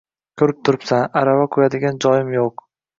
Ko‘rib turibsan, arava qo‘yadigan joyim yo‘q